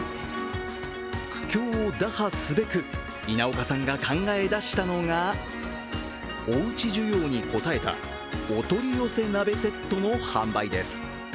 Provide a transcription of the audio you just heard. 苦境を打破すべく、稲岡さんが考え出したのは、おうち需要に応えたお取り寄せ鍋セットの販売です。